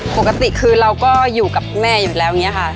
ปกติคือเราก็อยู่กับแม่อยู่แล้วอย่างนี้ค่ะ